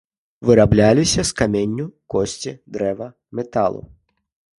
Вырабляліся з каменю, косці, дрэва, металу.